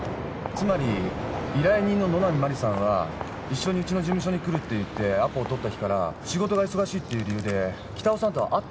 つまり依頼人の野波真理さんは一緒にウチの事務所に来るって言ってアポを取った日から仕事が忙しいっていう理由で北尾さんとは会ってなかったらしいんですよ。